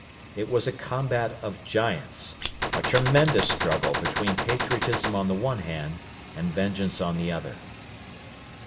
It was a combat of giants; a tremendous struggle between patriotism on the one hand and vengeance on the other.